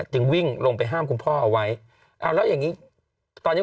จึงวิ่งลงไปห้ามคุณพ่อเอาไว้เอาแล้วอย่างงี้ตอนนี้